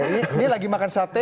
ini lagi makan sate